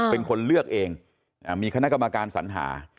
เป็นคนเลือกเองมีคณะกรรมการสัญหา